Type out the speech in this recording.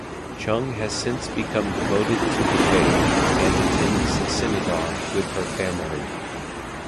Chung has since become devoted to the faith, and attends synagogue with her family.